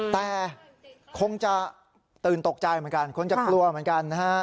แต่คงจะตื่นตกใจเหมือนกันคงจะกลัวเหมือนกันนะฮะ